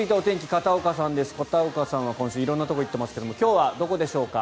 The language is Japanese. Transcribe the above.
片岡さんは今週色んなところに行っていますが今日はどこでしょうか？